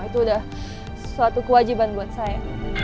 itu udah suatu kewajiban buat saya